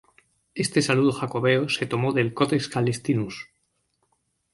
Este saludo jacobeo se tomó del Codex Calixtinus.